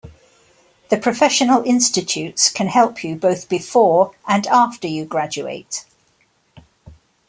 The professional institutes can help you both before and after you graduate.